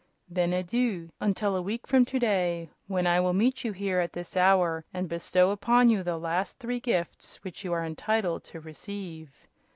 "Then adieu until a week from to day, when I will meet you here at this hour and bestow upon you the last three gifts which you are entitled to receive.